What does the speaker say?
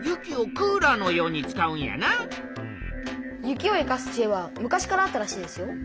雪を生かすちえは昔からあったらしいですよ。